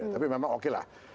tapi memang oke lah